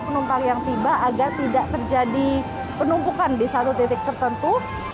penumpang yang tiba agar tidak terjadi penumpukan di satu titik tertentu